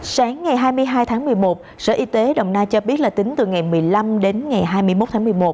sáng ngày hai mươi hai tháng một mươi một sở y tế đồng nai cho biết là tính từ ngày một mươi năm đến ngày hai mươi một tháng một mươi một